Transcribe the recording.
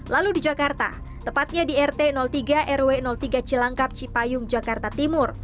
lalu di jakarta tepatnya di rt tiga rw tiga cilangkap cipayung jakarta timur